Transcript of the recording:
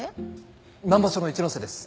南葉署の一ノ瀬です。